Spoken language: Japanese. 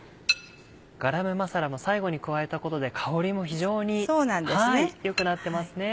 ガラムマサラも最後に加えたことで香りも非常に良くなってますね。